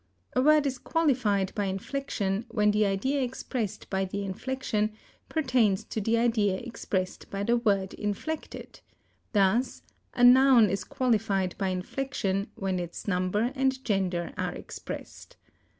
A word is qualified by inflection when the idea expressed by the inflection pertains to the idea expressed by the word inflected; thus a noun is qualified by inflection when its number and gender are expressed.